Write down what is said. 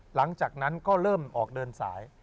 หลังจากนั้นก็เริ่มออกเดินสาย